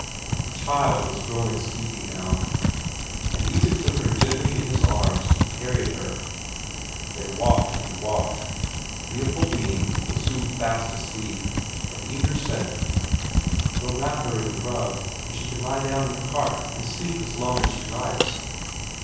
The child was growing sleepy now, and Isak took her gently in his arms and carried her. They walked and walked. Leopoldine was soon fast asleep, and Inger said: "We'll wrap her up in the rug, and she can lie down in the cart and sleep as long as she likes."